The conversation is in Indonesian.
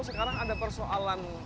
sekarang ada persoalan